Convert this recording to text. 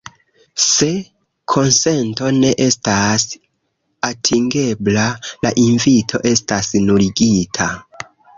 Se konsento ne estas atingebla, la invito estas nuligita.